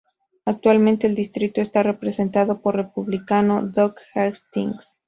Actualmente el distrito está representado por el Republicano Doc Hastings.